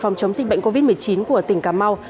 phòng chống dịch bệnh covid một mươi chín của tỉnh cà mau